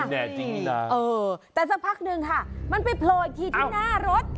แน่จริงนะเออแต่สักพักหนึ่งค่ะมันไปโผล่อีกทีที่หน้ารถ